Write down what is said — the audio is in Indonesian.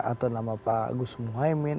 atau nama pak gus muhaymin